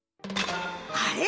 あれ？